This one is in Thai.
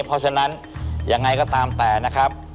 เพราะฉะนั้นยังไงก็ตามแต่นะครับ